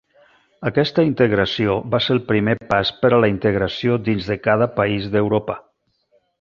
Aquesta integració va ser el primer pas per a la integració dins de cada país d'Europa.